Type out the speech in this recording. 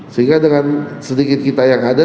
sehingga dengan sedikit kita yang ada